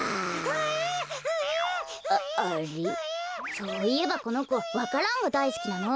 そういえばこのこわか蘭がだいすきなの。